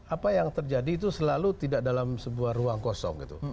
apa yang terjadi itu selalu tidak dalam sebuah ruang kosong gitu